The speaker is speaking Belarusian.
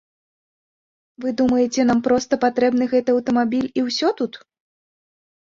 Вы думаеце, нам проста патрэбны гэты аўтамабіль і ўсе тут?